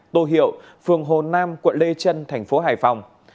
tô hiệu phường hồ nam quận lê trân thành phố hải phòng